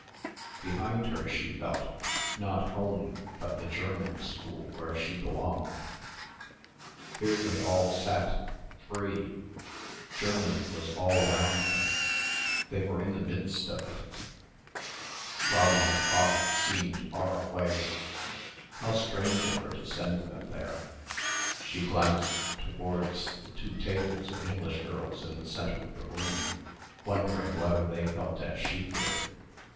Behind her she felt, not home but the German school where she belonged. Here they all sat, free. Germany was all around them. They were in the midst of it. Fräulein Pfaff seemed far away.... How strange of her to send them there.... She glanced towards the two tables of English girls in the centre of the room wondering whether they felt as she did....